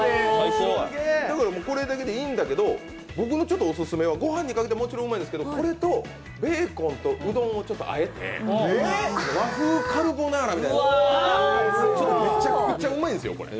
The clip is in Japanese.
これだけでいいんだけど、僕のオススメは御飯にかてけももちろんうまいんですけど、これとベーコンとうどんをちょっとあえて、和風カルボナーラみたいにするとめちゃくちゃうまいんですよ。